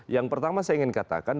yang pertama saya ingin katakan